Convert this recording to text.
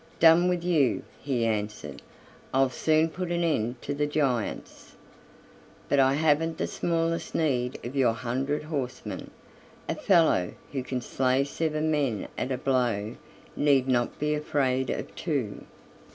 "Done with you," he answered; "I'll soon put an end to the giants. But I haven't the smallest need of your hundred horsemen; a fellow who can slay seven men at a blow need not be afraid of two."